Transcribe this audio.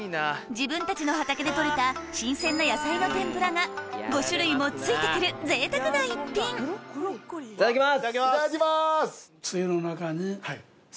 自分たちの畑で取れた新鮮な野菜の天ぷらが５種類も付いて来るぜいたくな一品いただきます。